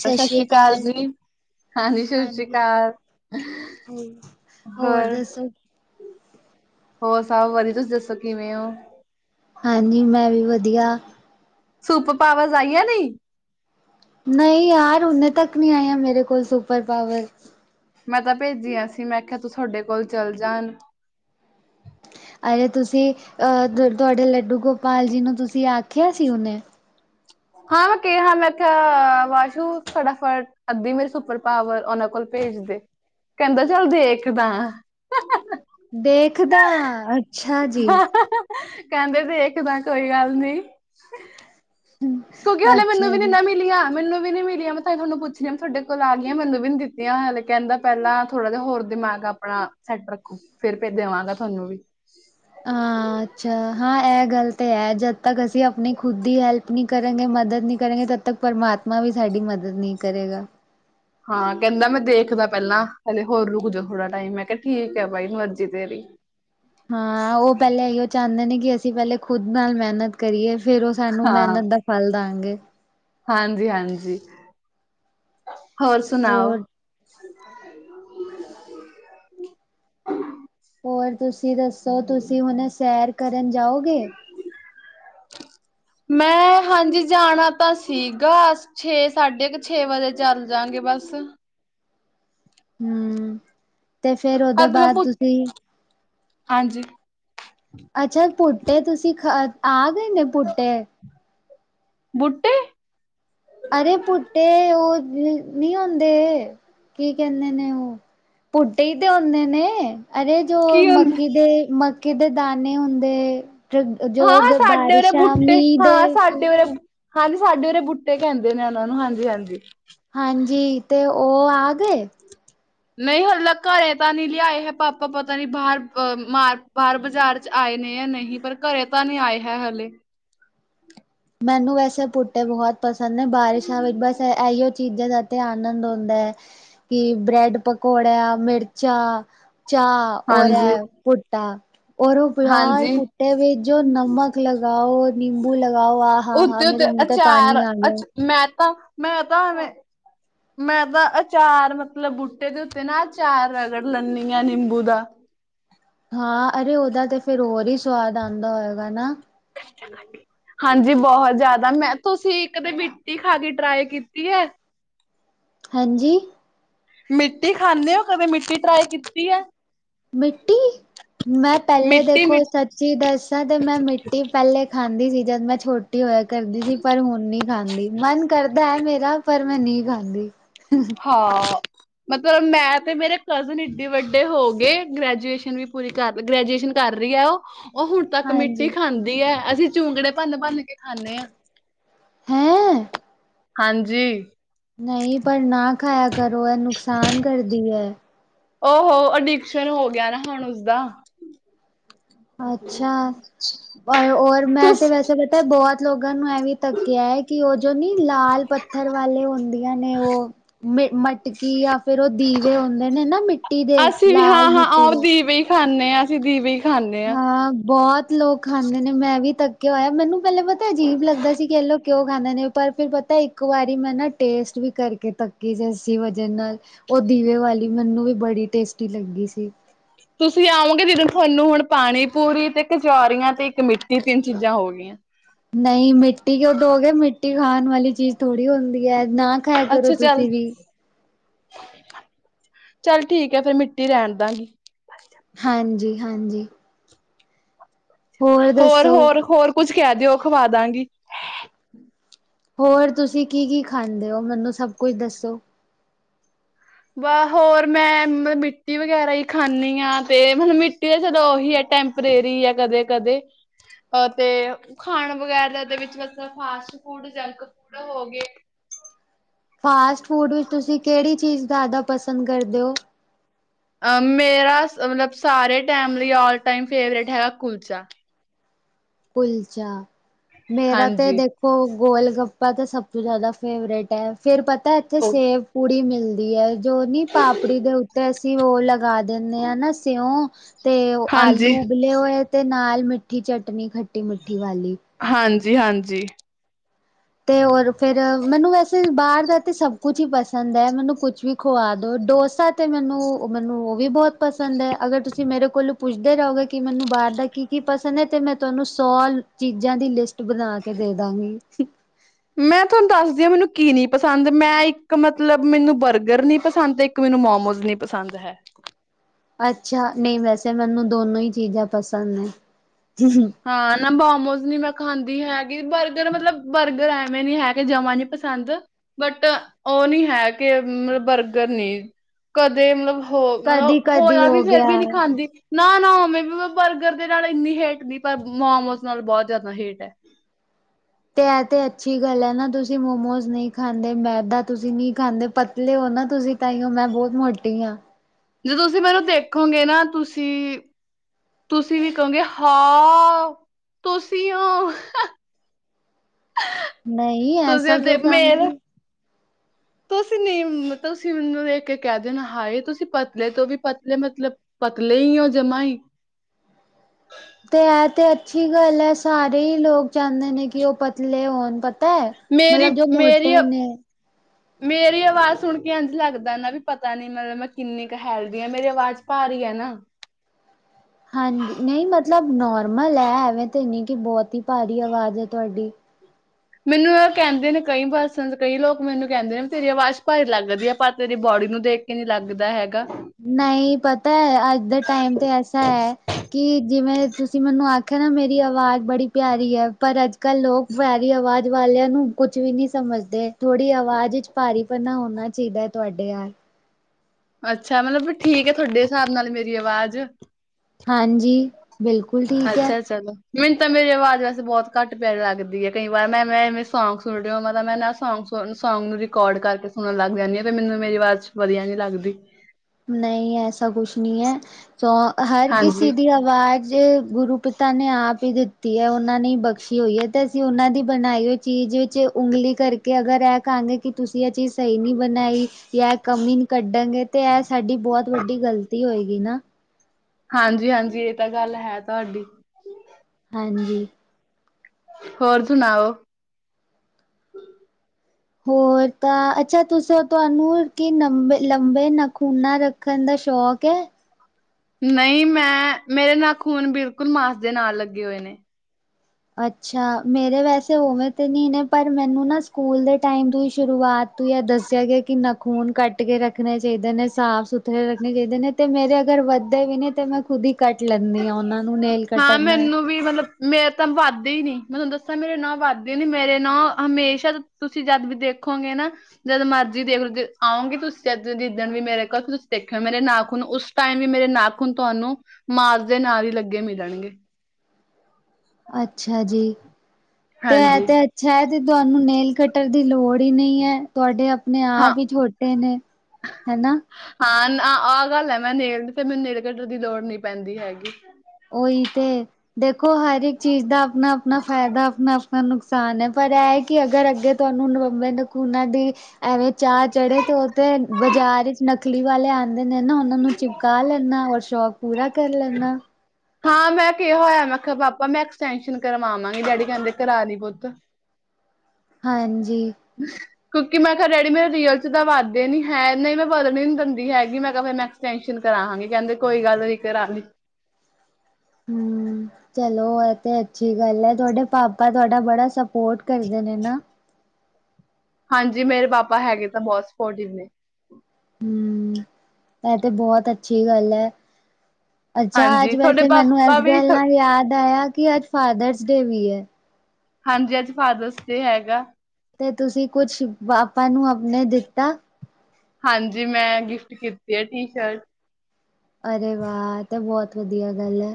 ਸਤਿ ਸ੍ਰੀ ਸਸ਼੍ਰੀ ਕਾਲ ਅਕਾਲ ਜੀ। ਹਾਂਜੀ, ਸਸ਼੍ਰੀ ਕਾਲ, ਹੋਰ ਹੋਰ? ਹੋਰ ਸਬ ਵਦੀ, ਤੂਸੀ ਦੱਸੋ ਕਿਵੇਂ ਓ? ਹਾਂਜੀ, ਮੈਂ ਵੀ ਵਦੀਆ। ਸੁਪਰ ਪਾਵਜ਼ ਆਈਆਂ ਨੀ? ਨਈ ਯਾਰ ਹੁਨੇ ਤੱਕ ਨੀ ਆਈਂਆ, ਮੇਰੇ ਕੋਲ ਸੁਪਰ ਪਾਵਰ। ਮੈਂ ਤਾਂ ਭੇਜੀਆਂ ਸੀ, ਮੈਂ ਖੇਆ, ਤੂੰ ਥੋਡੇ ਕੋਲ ਚੱਲ ਜਾਨ ਅਰੇ ਤੂਸੀ ਅ ਤੁ ਤੂਆਡੇ ਲੱਡੂ ਗੋਪਾਲ ਜੀ ਨੂੰ ਤੂਸੀ ਆਖੇਆ ਸੀ ਹੁਨੇ? ਹਾਂ ਮੈਂ ਕੇਹਾ, ਮੈਂ ਖੇਆ ਵਾਸ਼ੂ ਫਟਾਫਟ ਅੱਧੀ ਮੇਰੀ ਸੁਪਰ ਪਾਵਰ ਓਨਾਂ ਕੋਲ ਭੇਜਦੇ। ਕੈਂਦਾ, ਚੱਲ ਦੇਖਦਾ ਆਂ। [unintelligible] ਦੇਖਦਾ ਆਂ, ਅੱਛਾ ਜੀ। ਕੈਂਦੇ, ਦੇਖਦਾਂ ਕੋਈ ਗਾੱਲ ਨੀ। ਕਿਉਂਕਿ, ਹਲੇ ਮੈਨੂੰ ਵੀ ਅੱਛਾ ਨੀ ਜੀ ਨਾ ਮਿਲੀਆਂ। ਮੈਨੂੰ ਵੀ ਨੀ ਮਿਲੀਆਂ, ਮੈਂ ਤਾਂਈ ਥੋਨੂ ਪੁੱਛ ਰੀਆਂ, ਵੀ ਥੋਡੇ ਕੋਲ ਆਗੀਆਂ, ਮੈਨੂੰ ਵੀ ਦਿੱਤੀਆਂ, ਹੱਲੇ ਕੈਂਦਾ ਪ੍ਹੈਲਾਂ ਥੋੜਾ ਜਾ ਹੋਰ ਦਿਮਾਗ ਆਪ ਅਪਣਾ ਸੈੱਟ ਰੱਖੋ, ਫੇਰ ਭੇਜ ਦੇਵਾਂਗਾ ਤੂਆਨੂੰ ਵੀ। ਹਾਂ ਅੱਛਾ, ਹਾਂ ਐ ਗਾੱਲ ਤੇ ਹੈ, ਜਦ ਤੱਕ ਅਸੀ ਅਪਨੀ ਖੁੱਦ ਦੀ ਹੈਲਪ ਨੀ ਕਰੇਂਗੇ, ਮਦਦ ਨੀ ਕਰੇਂਗੇ, ਤਦ ਤੱਕ ਪਰਮਾਤਮਾ ਵੀ ਸਾਡੀ ਮਦਦ ਨੀ ਕਰੇਗਾ। ਹਾਂ ਕੈਂਦਾ ਮੈਂ ਦੇਖਦਾ ਪ੍ਹੈਲਾਂ, ਹੱਲੇ ਹੋਰ ਰੁਕ ਜੋ ਥੋੜਾ ਟਾਈਮ, ਮੈਂ ਕੇਆ ਠੀਕ ਐ ਬਾਈ ਮਰਜੀ ਤੇਰੀ। ਹਾਂ, ਓ ਪੈਲੇ ਅਈਓ ਚਾੰਦੇ ਨੇ, ਕਿ ਅਸੀ ਪ੍ਹੈਲੇ ਖੁੱਦ ਨਾਲ ਮੈਹਨਤ ਕਰੀਏ, ਫੇਰ ਓ ਸਾਨੂੰ ਮੈਹਨਤ ਦਾ ਫੱਲ ਦਾਂਗੇ। ਹਾਂਜੀ-ਹਾਂਜੀ, ਹੋਰ ਸੁਨਾਓ? ਹੋਰ [inaudible] ਹੋਰ ਤੂਸੀ ਦੱਸੋ, ਤੂਸੀ ਹੁਨੇ ਸੈਰ ਕਰਨ ਜਾਓਗੇ? ਮੈਂ ਹਾਂਜੀ, ਜਾਣਾ ਤਾਂ ਸੀਗਾ ਛੇ ਸਾਡੇ ਕ ਛੇ ਵਜੇ ਚੱਲ ਜਾਂਗੇ ਬਾੱਸ। ਹਮ ਤੇ ਫੇਰ ਉਹਦੇ ਆੱਦ ਮੈਂ ਬਾਅਦ ਪੁਚ, ਤੁਸੀਂ ਹਾਂਜੀ। ਅੱਛਾ, ਭੂੱਟੇ ਤੂਸੀ ਖਾ, ਆ ਗਏ ਨੇ ਭੂੱਟੇ? ਬੂਟੇ। ਅਰੇ ਬੂਟੇ ਓ ਨੀ ਓਂਦੇ ਕੀ ਕੈਂਦੇ ਨੇ ਓ ਬੂਟੇ ਈ ਤੇ ਓਂਦੇ ਨੇ, ਅਰੇ ਜੋ ਕੀ ਹੁੰਦੇ ਮੱਕੀ ਦੇ, ਮੱਕੀ ਦੇ ਦਾਨੇ ਓਂਦੇ ਹਾਂ ਜੋਗ ਸਾਡੇ ਉਰੇ ਬਾਰਿਸ਼ਾਂ ਬੂਟੇ ਮੀਂ ਦੇ [inaudible] ਹਾਂਜੀ ਸਾਡੇ ਉਰੇ ਬੂਟੇ ਕੈਂਦੇ ਨੇ ਉਨਾਂ ਨੂੰ ਹਾਂਜੀ-ਹਾਂਜੀ। ਹਾਂਜੀ ਤੇ ਓ ਆ ਗਏ। ਨਈ ਹੱਲੇ ਘੱਰੇ ਤਾਂ ਨੀ ਲਿਆਏ ਹੈ ਪਾਪਾ ਪਤਾ ਨੀ ਬਾਹਰ ਮਾਰ ਬਾਰ ਬਜਾਰ ਚ ਆਏ ਨੇ ਯਾ ਨਈ ਪਰ ਘੱਰੇ ਤਾ ਨੀ ਆਏ ਹੈ ਹਲੇ ਮੈਨੂੰ ਵੈਸੇ ਪੁੂਟੇ ਬੋਹਤ ਪਸਂਦ ਨੇ ਬਾਰਿਸ਼ਾਂ ਵਿੱਚ ਬੱਸ ਐ ਐਈਯੋ ਚੀਜਾ ਦਾ ਆਨਂਦ ਓਂਦੈ। ਕੀ ਬ੍ਰੈਡ ਪਕੌੜੇਆ, ਮਿਰਚਾ, ਚਾ ਔਰ ਹਾਂਜੀ, ਐ ਬੂਟਾ, ਔਰ ਓ [unintelligible] ਹਾਂਜੀ ਬੂਟੇ ਵੇਜੋ ਨਮਕ ਲਗਾਓ ਨਿੰਬੂ ਲਗਾਓ ਆ ਹਾ ਹਾ ਉਤੇ ਉਤੇ ਮੇਰੇ ਮੂੰਹ ਤੇ ਪਾਨੀ ਅਚਾਰ ਆ ਗੇਆ ਅਚ ਮੈਂ ਤਾ, ਮੈਂ ਤਾ ਐਵੇ ਮੈਂ ਤਾਂ ਅਚਾਰ ਮਤਲਬ ਬੂਟੇ ਦੇ ਉੱਤੇ ਨਾ ਅਚਾਰ ਰਗੜ ਲੱਨੀ ਆ ਨਿੰਬੂ ਦਾ ਹਾਂ ਅਰੇ ਓਦਾ ਤੇ ਫੇਰ ਔਰ ਈ ਸਵਾਦ ਆਂਦਾ ਓਏਗਾ ਨਾ ਹਾਂਜੀ ਬੋਹਤ ਜਾਦਾ ਮੈਂ ਤੁਸੀ ਕਦੇ ਮਿੱਟੀ ਖਾ ਕੇ ਟਰਾਈ ਕੀਤੀ ਐ ਹਾਂਜੀ ਮਿੱਟੀ ਖਾਨੇ ਓ ਕਦੇ ਮਿੱਟੀ ਟਰਾਈ ਕੀਤੀ ਐ ਮਿੱਟੀ, ਮੈਂ ਪੈਲੇ ਮਿੱਟੀ ਦੇਖੋ ਮਿੱ ਸੱਚੀ ਦੱਸਾਂ ਤੇ ਮੈਂ ਮਿੱਟੀ ਪੈਲੇ ਖਾਂਦੀ ਸੀ ਜਦ ਮੈਂ ਛੋਟੀ ਓਯਾ ਕਰਦੀ ਸੀ ਪਰ ਹੁਨ ਨੀ ਖਾਂਦੀ ਮਨ ਕਰਦੈ ਮੇਰਾ ਪਰ ਮੈਂ ਨੀ ਖਾਂਦੀ ਹਾ, ਮਤਲਬ ਮੈਂ ਤੇ ਮੇਰੇ ਕਜ਼ਨ ਇੱਡੀ ਵੱਡੇ ਹੋਗੇ ਗ੍ਰੈਜੂਏਸ਼ਨ ਵੀ ਪੂਰੀ ਕਰ ਗ੍ਰੈਜੂਏਸ਼ਨ ਕਾਰ ਰੀ ਐ ਓ ਓ ਹੁਨ ਤੱਕ ਮਿੱਟੀ ਹਾਂਜੀ ਖਾਂਦੀ ਐ ਅਸੀ ਚੁੰਗੜੇ ਪੰਨ-ਪੰਨ ਕੇ ਖਾਂਨੇ ਆ ਹੈਂ ਹਾਂਜੀ। ਨਈ ਪਰ ਨਾ ਖਾਏਆ ਕਰੋ ਐ ਨੁਕਸਾਨ ਕਰਦੀ ਐ ਓ ਹੋ ਅਡਿਕਸ਼ਨ ਹੋ ਗਯਾ ਨਾ ਹੋਣ ਉਸਦਾ ਅੱਛਾ, ਆਏ ਔਰ ਮੈਂ ਤੇ ਤੁਸੀਂ ਵੈਸੇ ਤੇ ਬੋਤ ਲੋਗਾਂ ਨੂੰ ਐ ਵੀ ਤੱਕ ਕੇਆ ਐ ਕਿ ਓ ਜੋ ਨੀ ਲਾਲ ਪੱਥਰ ਵਾਲੇ ਓਂਦੀਆਂ ਨੇ ਓ, ਮਿ ਮਟਕੀਆਂ ਫੇਰ ਓ ਦੀਵੇ ਓਂਦੇ ਨੇ ਨਾ ਮਿੱਟੀ ਦੇ, ਲਾਲ ਮਿੱਟੀ ਦੇ ਖਾਂਨੇ ਆਂ ਅਸੀ ਦੀਵੇ ਈ ਹਾਂ ਬੋਤ ਲੋਕ ਖਾਂਦੇ ਨੇ ਮੈਂ ਵੀ ਤੱਕੇਆ ਓਯੈ ਮੈਨੂੰ ਪੈਲੇ ਪਤਾ ਅਜੀਬ ਲੱਗਦਾ ਸੀ ਕੀ ਐ ਲੋ ਕਯੋ ਖਾਂਦੇ ਨੇ ਪਰ ਫਿਰ ਪਤਾ ਇੱਕ ਵਾਰੀ ਮੈਂ ਨਾ ਟੇਸਟ ਵੀ ਕਰਕੇ ਤੱਕੀ ਐਸੀ ਵਜੇ ਨਾਲ ਓ ਦੀਵੇ ਵਾਲੀ ਮੈਨੂੰ ਵੀ ਬੜੀ ਟੇਸਟੀ ਲੱਗੀ ਸੀ। ਤੁਸੀਂ ਵੀ ਆਓਗੇ ਜਿਦਨ ਤੁਹਾਨੂੰ ਹੁਣ ਪਾਣੀ ਪੂਰੀ ਤੇ ਕਚੌਰੀਆਂ ਤੇ ਇੱਕ ਮਿੱਟੀ ਤਿੰਨ ਚੀਜਾ ਹੋ ਗਈਆਂ। ਨਈ ਮਿੱਟੀ ਕਯੋ ਦੋ ਗੇ ਮਿੱਟੀ ਖਾਨ ਵਾਲੀ ਚੀਜ ਥੋੜੀ ਓਂਦੀ ਐ ਨਾ ਖਾਇਆ ਕਰੋ ਅੱਛਾ ਚੱਲ, ਤੁਸੀਂ ਵੀ ਚੱਲ ਠੀਕ ਐ ਫੇਰ ਮਿੱਟੀ ਰੈਨ ਦਾਗੀ। ਹਾਂਜੀ-ਹਾਂਜੀ। ਦੱਸੋ ਹੋਰ-ਹੋਰ, ਹੋਰ ਕੁੱਛ ਕੈ ਦੇਓ ਖਵਾ ਦਾਗੀ। ਹੋਰ ਤੁਸੀ ਕੀ-ਕੀ ਖਾਂਦੇ ਓ ਮੈਨੂੰ ਸੱਬ ਕੁਛ ਦੱਸੋ। ਵਾ ਹੋਰ ਮੈਂ ਮਿੱਟੀ ਵਗੈਰਾ ਈ ਖਾਨੀ ਆ ਤੇ ਬੱਸ ਮਿੱਟੀ ਤਾ ਚਲੋ ਓਹੀ ਆ ਟੈਮ ਪ੍ਰੇਰੀ ਐ ਕਦੇ-ਕਦੇ। ਤੇ ਖਾਣ ਵਗੈਰਾ ਦੇ ਵਿੱਚ ਬਸ ਫਾਸਟ ਫੂਡ, ਜੰਕ ਫੂਡ ਹੋਗੇ। ਫਾਸਟ ਫੂਡ ਵਿੱਚ ਤੁਸੀਂ ਕੇੜੀ ਚੀਜ਼ ਜਾਦਾ ਪਸੰਦ ਕਰਦੇ ਓ। ਮੇਰਾ ਮਲਬ ਸਾਰੇ ਟੈਮ ਲਈ ਆਲ ਟਾਈਮ ਫੇਵਰੇਟ ਹੈ ਕੁਲਚਾ। ਕੁਲਚਾ ਮੇਰਾ ਤੇ ਹਾਂਜੀ ਦੇਖ- ਕੋ ਗੋਲ ਗੱਪਾ ਤੇ ਸਭ ਤੋਂ ਜਾਦਾ ਫੇਵਰੇਟ ਐ। ਫੇਰ ਪਤਾ ਏਥੇ ਓ ਸੇਬ ਪੂੜੀ ਮਿਲਦੀ ਐ। ਜੋ ਨੀ ਪਾਪੜੀ ਦੇ ਉੱਤੇ ਅਸੀਂ ਓ ਲਗਾ ਦਿੰਨੇ ਆ ਨਾ ਸਿਉ। ਤੇ ਆਲੂ ਹਾਂਜੀ ਉਬਲੇ ਹੋਏ ਤੇ ਨਾਲ ਮਿੱਠੀ ਚਟਣੀ ਖੱਟੀ, ਮਿੱਠੀ ਵਾਲੀ। ਹਾਂਜੀ-ਹਾਂਜੀ। ਤੇ ਹੋਰ ਫੇਰ ਮੈਨੂੰ ਵੈਸੇ ਬਾਰ ਦਾ ਤੇ ਸਭ ਕੁਛ ਈ ਪਸੰਦ ਐ। ਮੈਨੂੰ ਕੁਛ ਵੀ ਖਆ ਦੋ। ਡੋਸਾ ਤੇ ਮੈਨੂੰ ਮੈਨੂੰ ਓ ਵੀ ਬੋਤ ਪਸੰਦ ਐ। ਅਗਰ ਤੁਸੀਂ ਮੇਰੇ ਕੋਲ ਪੁੱਛਦੇ ਰ‌ਓਗੇ ਕੀ ਮਿਨੂੰ ਬਾਰ ਦਾ ਕੀ-ਕੀ ਪਸੰਦ ਐ, ਤੇ ਮੈਂ ਤ‌ਆਨੂੰ ਸੌ ਚੀਜ਼ਾਂ ਦੀ ਲਿਸਟ ਬਣਾ ਕੇ ਦੇ ਦਾਂਗੀ। ਮੈਂ ਥਾਨੂੰ ਦੱਸਦੀ ਆਂ ਮੈਨੂੰ ਕੀ ਨੀ ਪਸੰਦ। ਮੈਂ ਇੱਕ ਮਤਲਬ ਮੈਨੂੰ ਬਰਗਰ ਨੀ ਪਸੰਦ ਇਕ ਇਕ ਮੈਨੂੰ ਮੋਮੋਸ ਨੀ ਪਸੰਦ ਹੈ। ਅੱਛਾ ਨਈ ਵੈਸੇ ਮੈਨੂੰ ਦੋਨੋ ਈ ਚੀਜ਼ਾਂ ਪਸੰਦ ਐ। ਹਾਂ ਨਾ ਮੋਮੋਸ ਨੀ ਮੈਂ ਖਾਂਦੀ ਹੈਗੀ, ਬਰਗਰ ਮਤਲਬ ਬਰਗਰ ਐਵੇਂ ਨੀ ਹੈਗੇ ਜਮਾਂ ਨੀ ਪਸੰਦ। ਬਟ ਓ ਨੀ ਹੈ ਕਿ ਮਲਬ ਬਰਗਰ ਨੀ ਕਦੇ ਮਲਬ। ਹੋ ਕਦੀ ਮਲਬ ਕਦੀ ਹੋਇਆ ਵੀ ਹੋ ਫੇਰ ਗਿਆ ਵੀ ਨੀ ਹੈ ਖਾਂਦੀ। ਨਾ- ਨਾ ਓਵੇਂ ਵੀ ਬਰਗਰ ਦੇ ਨਾਲ ਏਨੀ ਹੇਟ ਨੀ ਪਰ ਮੋਮੋਸ ਨਾਲ ਬੋਤ ਜਾਦਾ ਹੇਟ ਐ। ਤੇ ਐ ਤੇ ਅੱਛੀ ਗੱਲ ਐ ਨਾ ਤੁਸੀਂ ਮੋਮੋਸ ਨਈ ਖਾਂਦੇ। ਮੈਦਾ ਤੁਸੀਂ ਨਈ ਖਾਂਦੇ ਪਰ ਪਤਲੇ ਓ ਨਾ ਤੁਸੀਂ ਤਾਂਈਂ ਓ ਮੈਂ ਬੋਤ ਮੋਟੀ ਆਂ। ਜਦੋ ਤੁਸੀਂ ਮੈਨੂੰ ਦੇਖੋਗੇ ਨਾ ਤੁਸੀਂ। ਤੁਸੀਂ ਵੀ ਕਹੋਗੇ ਹੋਓ ਤੁਸੀਓ। ਨਈ ਐਸਾ ਤੁਸੀਂ ਦੇ ਕਿਉਂ ਮੇਲ ਕਾਂਗੀ। ਤੁਸੀਂ ਨੀ ਤੁਸੀਂ ਮੈਨੂੰ ਵੇਖ ਕੇ ਕੈ ਦੇਨਾ ਹਾਏ ਤੁਸੀਂ ਪਤਲੇ ਤੋਂ ਵੀ ਪਤਲੇ ਮਤਲਬ। ਪਕਲੇ ਈ ਓ ਜਮਾ ਈ। ਤੇ ਐ ਤੇ ਅੱਛੀ ਗੱਲ ਐ, ਸਾਰੇ ਈ ਲੋਕ ਚਾਂਦੇ ਨੇ ਕੀ ਓ ਪਤਲੇ ਹੋਣ ਪਤਾ ਐ। ਮੇਰੀ-ਮੇਰੀ ਅ ਮੇਰੀ ਆਵਾਜ਼ ਸੁਣ ਕੇ ਏਂਝ ਲੱਗਦਾ ਨਾ ਵੀ ਪਤਾ ਨੀ ਮਲਬ ਮੈਂ ਕਿੰਨੀ ਕ ਹੈਲਦੀ ਆਂ। ਮੇਰੀ ਆਵਾਜ਼ ਭਾਰੀ ਐ ਨਾ। ਹਾਂਜੀ ਨਹੀਂ ਮਤਲਬ ਨੋਰਮਲ ਐ, ਐਵੇਂ ਤੇ ਨੀ ਕੀ ਬੋਤ ਈ ਭਾਰੀ ਆਵਾਜ਼ ਐ ਤੁਆਡੀ। ਮਿਨੂੰ ਏ ਕੈਂਦੇ ਨੇ ਕਈ ਪਰਸਨਸ ਕਈ ਲੋਕ ਮਿਨੂੰ ਕੈਂਦੇ, ਨੇ ਤੇਰੀ ਆਵਾਜ਼ ਭਾਰੀ ਲੱਗਦੀ ਐ। ਪਰ ਤੇਰੀ ਬੋਡੀ ਨੂੰ ਦੇਖ ਕਿ ਨੀ ਲੱਗਦਾ ਹੈਗਾ। ਨਈ ਪਤਾ ਐ ਅੱਜ ਦੇ ਟਾਈਮ ਤੇ ਐਸਾ ਐ ਕੀ ਜਿਵੇਂ ਤੁਸੀਂ ਮੈਨੂੰ ਆਖਿਆ ਨਾ ਮੇਰੀ ਆਵਾਜ਼ ਬੜੀ ਪਿਆਰੀ ਆ। ਪਰ ਅੱਜ ਕੱਲ ਲੋਕ ਪਿਆਰੀ ਆਵਾਜ਼ ਵਾਲਿਆਂ ਨੂੰ ਕੁਛ ਵੀ ਨੀ ਸਮਝਦੇ, ਥੋੜੀ ਆਵਾਜ਼ ਵਿਚ ਭਾਰੀ ਪਨਾ ਹੋਣਾ ਚਾਈਦਾ। ਤੁਆਡੇ ਆਏ। ਅੱਛਾ ਮਲਬ ਬੀ ਠੀਕ ਏ, ਥੋਡੇ ਹਿਸਾਬ ਨਾਲ ਮੇਰੀ ਆਵਾਜ਼। ਹਾਂਜੀ। ਬਿਲਕੁਲ ਠੀਕ। ਹੈ ਅੱਛਾ ਚਲੋ। ਮਿਨ ਤਾਂ ਮੇਰੀ ਆਵਾਜ਼ ਵੈਸੇ ਬੋਤ ਘੱਟ ਪਿਆਰੀ ਲੱਗਦੀ ਏ। ਕਈ ਵਾਰ ਮੈਂ ਏਵੇਂ ਸੌਗ ਸੁਣ ਰੀ ਹੋਵਾਂ ਮੈਂ ਨਾ ਸੌਗ ਸੁਣ ਸੌਗ ਨੂੰ ਰਿਕਾਰਡ ਕਰਕੇ ਸੁਣਨ ਲੱਗ ਜਾਂਦੀ ਆ ਤੇ ਮੈਨੂੰ ਮੇਰੀ ਵਾਚ ਵਧੀਆ ਨੀ ਲੱਗਦੀ। ਨਈ ਐਸਾ ਕੁਛ ਨੀ ਐ ਸੋ ਹਰ ਕਿਸੀ ਹਾਂਜੀ, ਦੀ ਆਵ ਵਾਜ਼ ਗੁਰੂ ਪਿਤਾ ਨੇ ਆਪ ਈ ਦਿੱਤੀ ਐ, ਓਨਾਂ ਨੇ ਬਖਸ਼ੀ ਹੋਈ ਐ ਤੇ ਅਸੀਂ ਓਨਾਂ ਦੀ ਬਣਾਈ ਓਈ ਚੀਜ ਚ ਉਗਲੀ ਕਰਕੇ ਅਗਰ ੲੈ ਕਾਗੇ ਕਿ ਤੁਸੀਂ ੲੈ ਚੀਜ ਸਈ ਨੀ ਬਣਾਈ, ਯਾ ੲੈ ਕਮੀ ਨੀ ਕੱਢ ਗੇ। ਤੇ ਐ ਏ ਬੋਤ ਵੱਡੀ ਗਲਤੀ ਹੋਏਗੀ। ਨਾ ਹਾਂਜੀ- ਹਾਂਜੀ ਏ ਤਾਂ ਗੱਲ ਹੈ ਤੁਹਾਡੀ। ਹਾਂਜੀ। ਹੋਰ ਸੁਣਾਓ। ਹੋਰ ਤਾਂ, ਅੱਛਾ ਤੁਸੀ ਓਤੋ ਅਣਮੁੱਲ ਕੀ ਨਬੇ ਲੰਬੇ ਨਖੂਨ ਨਾ ਰ ਰਖਣ ਦਾ ਸ਼ੌਕ ੲੈ। ਨਈ ਮੈ, ਮੇਰੇ ਨਾਖੂਨ ਬਿਲਕੁਲ ਮਾਸ ਦੇ ਨਾਲ ਲੱਗੇ ਹੋਏ ਨੇ। ਅੱਛਾ ਮੇਰੇ ਵੈਸੇ ਉਵੇਂ ਤੇ ਨੀ ਨੇ ਪਰ ਮੈਨੂੰ ਨਾ ਸਕੂਲ ਦੇ ਟਾਈਮ ਤੋਂ ਈ ਸ਼ੁਰੂਆਤ ਤੂੰ ਯੈ ਦੱਸੇਆ ਗੇਆ ਕਿ ਨਾਖੂਨ ਕੱਟ ਕੱਟ ਕੇ ਰੱਖਣੇ ਚਾਹੀਦੇ ਨੇ, ਸਾਫ਼-ਸੁਥਰੇ ਰੱਖਣੇ ਚਾਈਦੇ ਨੇ, ਤੇ ਮੇਰੇ ਅਗਰ ਵੱਧੇ ਵੀ ਨੇ ਤੇ ਮੈਂ ਖੁਦ ਈ ਕੱਟ ਲੈਂਣੀ ਆ ਓਨਾਂ ਨੂੰ ਨੇਲ ਹਾਂ ਕੱਟਣ ਨਾਲ ਮੈਨੂੰ ਵੀ ਮਤਲਬ ਮੇਰੇ ਤਾਂ ਵੱਧੇ ਈ ਨੀ, ਮੈਂ ਤੁਹਾਨੂੰ ਦੱਸੇਆ ਮੇਰੇ ਨੋ ਵੱਧੇ ਨੀ, ਮੇਰੇ ਨੋ ਹਮੇਸ਼ਾ ਤੁਸੀ ਜੱਦ ਵੀ ਦੇਖੋਗੇ ਨਾ ਜਦ ਮਰਜ਼ੀ ਦੇਖ ਲੋ, ਦੇ, ਆਓਂਗੇ ਤੁਸੀਂ ਜਦ ਜਿੱਦਣ ਵੀ ਮੇਰੇ ਕੋਲ ਤੁਸੀਂ ਦੇਖਿਓ ਮੇਰੇ ਨਾਖੂਨ ਉਸ ਟਾਈਮ ਵੀ ਮੇਰੇ ਨਾਖੂਨ ਤੁਹਾਨੂੰ ਮਾਸ ਦੇ ਨਾਲ ਈ ਲੱਗੇ ਮਿਲਣਗੇ ਅੱਛਾ ਜੀ, ਤੇ, ੲੈ, ਹਾਂਜੀ ਤੇ ਛੈਦ ਈ ਤਵਾਨੂੰ ਨੇੇਲ ਕਟਰ ਦੀ ਲੋੜ ਈ ਨੀ ੲੈ। ਤੋਹਾਡੇ ਅਪਣੇ ਹਾਂ ਆਪ ਈ ਛੋਟੇ ਨੇ ਹਨਾ। ਹਾਂ, ਨਾ, ਆ ਗੱਲ ੲੈ ਮੈਂ ਨੇੜ, ਤੇ ਮਨੂੰ ਨੇੜ ਕਟਰ ਦੀ ਲੋੜ ਨੀ ਪੈਂਦੀ ਹੈਗੀ ਓਈ ਤੇ ਦੇਖੋ ਹਰ ਇੱਕ ਚੀਜ਼ ਦਾ ਅਪਣਾ-ਅਪਣਾ ਫੈਦਾ ਅਪਣਾ-ਅਪਣਾ ਨੁਕਸਾਨ ੲੈ ਪਰ ੲੈ ਕਿ ਅਗਰ ਅੱਗੇ ਤੁਵਾਨੂੰ ਨਵਬੇ ਨਖੁਣਾਂ ਦੀ ਐਵੇ ਚਾ ਚੜੇ ਤੇ ਓਥੇ, ਬਜਾਰ ਈਚ ਨਖਲੀ ਵਾਲੇ ਆ ਆਦੇ ਨੇ ਨਾ ਓਨਾ ਨੂੰ ਚਿਪਕਾ ਲੈਣਾ, ਔਰ ਸ਼ੌਕ ਪੂਰਾ ਕਰ ਲੈਣਾ ਹਾਂ, ਮੈਂ ਕੇਹਾ ਹੋਆ, ਮੈਂ ਕੇਆ ਪਾਪਾ, ਮੈਂ ਐਕਸੈਸ਼ਨ ਕਰਵਾਵਾਂਗੀ। ਡੈਡੀ ਕੈੰਦੇ ਕਰਾ ਲੀ ਪੋਤ ਹਾਂਜੀ। [unintelligible] ਕਿਉਂਕਿ ਮੈਂ ਕੇਹਾ ਰੈਡੀ ਮੇਰੇ ਰੀਲ ਚ ਤਾਂ ਵੱਧੇ ਨੀ ਹੈ। ਨਈ ਮੈਂ ਵਦਣ ਨੀ ਦਿੰਦੀ ਹੈਗੀ। ਮੈਂ ਕੇਹਾ ਫੇਰ ਮੈ ਚੈਸ਼ਨ ਕਰਾਵਾਗੀ ਕੈੰਦੇ, ਕੋਈ ਗੱਲ ਨੀ ਕਰਾ ਲੀ ਹਮ [inaudible] ਚਲੋ ੲੈ ਤੇ ਅੱਛੀ ਗੱਲ ੲੈ ਤੁਹਾਡੇ ਪਾਪਾ ਤੁਹਾਡਾ ਬੜਾ ਸਪੋਰਟ ਕਰਦੇ ਨੇ ਨਾ ਹਾਂਜੀ ਮੇਰੇ ਪਾਪਾ ਹੈਗੇ ਤਾਂ ਬੋਤ ਸਪੋਟਿਵ ਨੇ ਹਮ, ੲੈ ਤੇ ਬੋਤ ਅੱਛੀ ਗੱਲ ੲੈ। ਅੱਛਾ ਹਾਂਜੀ ਅੱਜ ਤੁਹਾਡੇ ਵੈਸੇ ਮੈਨੂੰ ਪਾਪਾ ੲੈਸ ਵੀ ਗਲ ਥੋ ਨਾਲ ਯਾਦ ਆਯਾ ਕਿ ਅੱਜ ਫਾਦਰਸ ਡੇ ਵੀ ੲੈ। ਹਾਂਜੀ ਅੱਜ ਫਾਦਰਸ ਡੇ ਹੈਗਾ ਤੇ ਤੁਸੀਂ ਕੁਛ ਵਾਪਾ ਨੂੰ ਅਪਣੇ ਦਿੱਤਾ ਹਾਂਜੀ ਮੈਂ ਗਿਫਟ ਕੀਤੀ ਏ ਟੀਸ਼ਟ ਅਰੇ ਵਾ ੲੈਤੇ ਬੋਤ ਵਧੀਆ ਗੱਲ ਐ।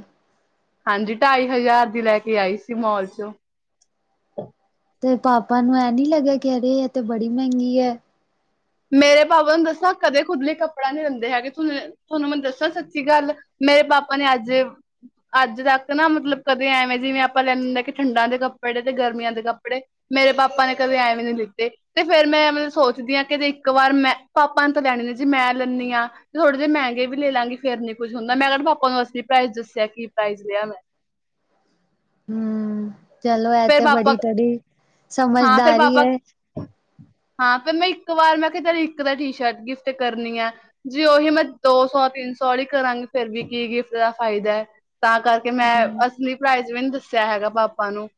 ਹਾਂਜੀ ਢਾਈ ਹਯਾਰ ਦੀ ਲੈ ਕੇ ਆਈ ਸੀ ਮੋਲ ਚੋਂ ਤੇ ਪਾਪਾ ਨੂੰ ੲੈ ਨੀ ਲਗੇਆ ਕਿ ਐਵੇ, ਤੇ ਬੜੀ ਮੈਂਗੀ ੲੈ। ਮੇਰੇ ਪਾਪਾ ਨੂੰ ਦਸਾ ਕਦੇ ਖੁਦਲੀ ਕੱਪੜਾ ਨੀ ਲੈਂਦੇ ਹੈਗੇ ਤੂੰਸੀ ਤੁਹਾਨੂੰ ਮੈ ਦੱਸੇਆ ਸੱਚੀ ਗੱਲ, ਮੇਰੇ ਪਾਪਾ ਨੇ ਅੱਜ ਅੱਜ-ਤੱਕ ਨਾ, ਮਤਲਬ ਕਦੇ ਐਵੇਂ ਜਿਵੇਂ ਅਪਾਂ ਲੈਦੇ ਕਿ ਠੰਡਾਂ ਦੇ ਕੱਪੜੇ ਤੇ ਗਰਮੀਆਂ ਦੇ ਕੱਪੜੇ ਮੇਰੇ ਪਾਪਾ ਨੇ ਕਦੇ ਐਵੇ ਵੀ ਨਈ ਲਿੱਤੇ ਤੇ ਫੇਰ ਮੈਂ ਮਤਲਬ ਸੋਚਦੀ ਹਾਂ ਕਿ ਇੱਕ ਵਾਰ ਮੈਂ ਪਾਪਾ ਨੂੰ ਤਾਂ ਲੈਣੇ ਨੇ ਜੀ ਮੈਂ ਲੈਂਨੀ ਹਾਂ। ਤੇ' ਥੋੜੇ ਜਿਹੇ ਮਹਿੰਗੇ ਵੀ ਲੈ ਲਾਂਗੀ ਫੇਰੀ ਕੁਝ ਹੁੰਦਾ ਮੈਂ ਕ' ਪਾਪਾ ਨੂੰ ਅਸਂ ਪ੍ਰਾਈਜ਼ ਦੱਸਿਆ ਕੀ ਪ੍ਰਾਈਜ਼ ਲਿਆ ਮੈਂ ਹੂੰ, ਚਲੋ ਇਹ ਫੇਰ ਤੇ ਬੜੀ ਪਾਪਾ ਕੜੀ ਹਾਂ ਫੇਰ ਸਮਝਦਾਰੀ ਪਾਪਾ ਐ। ਹਾਂ ਫ' ਮੈਂ ਇੱਕ ਵਾਰ ਮੈਂ ਕਿਹਾ ਤ' ਇੱਕ ਦਾ ਟੀ ਸ਼ਰਟ ਗਿਫਟ ਕਰਨੀ ਆ ਜੀ ਉਹੀ ਮੈਂ ਦੋ ਸੌ, ਤਿੰਨ ਸੌ ਵਾਲੀ ਕਰਾਂਗੀ ਫੇਰ ਵੀ ਕੀ ਗਿਫਟ ਦਾ ਫਾਇਦਾ ਹੈ ਤਾਂ ਕਰਕੇ ਕਿ ਮੈਂ ਹੂੰ, ਅਸਲੀ ਪ੍ਰਾਈਜ਼ ਵੀ ਨੀ ਦੱਸਿਆ ਹੈਗਾ ਪਾਪਾ ਨੂੰ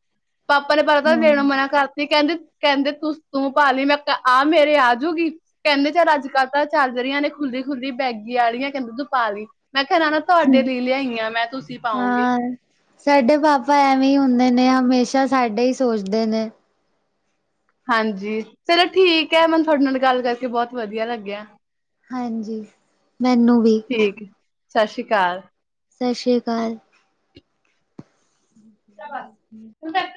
ਪਾਪਾ ਨੇ ਪਤਾ ਦੇੈਣ ਹੂੰ, ਮਨਾ ਕਰਤੀ ਕਹਿੰਦੇ ਕਹਿੰਦੇ ਤੂੰ ਤੂੰ ਪਾ ਲੀਂ ਮੈਂ ਆਹ ਮੇਰੇ ਆਜੂਗੀ ਕਹਿੰਦੇ ਚੱਲ ਅੱਜ ਕੱਲ੍ਹ ਤਾਂ ਚਲ਼ਰੀਆਂ ਨੇ ਖੁੱਲੀ-ਖੁੱਲੀ ਬੈਗੀ ਆਲੀੀਆਂ ਕਹਿੰਦੇ ਤੂੰ ਪਲੀਂ ਮੈਂ ਕਿਹਾ ਨਾ-ਨਾ ਤੁਹਾਡੇ ਲਈ ਲਿਆਈ ਆਂ ਮੈਂ ਤੁਸੀਂ ਪਾਓਗੇ। ਹਾਂ। ਸਾਡੇ ਪਾਪਾ ਐਵੇਂ ਹੀ ਹੁੰਦੇ ਨੇ ਹਮੇਸ਼ਾ ਸਾਡੇ ਹੀ ਸੋਚਦੇ ਨੇ। ਹਾਂਜੀ, ਚਲੋ ਠੀਕ ਹੈ ਮੈਨੂੰ ਤੁਡੇ ਨਾਲ ਗੱਲ ਕਰਕੇ ਬਹੁਤ ਵਧੀਆ ਲੱਗਿਆ। ਹਾਂਜੀ, ਮੈਨੂੰ ਵੀ ਠੀਕ, ਸਸ੍ਰੀ ਕਾਲ। ਸਸਰਿਆਂ ਅਕਾਲ। [unintelligible]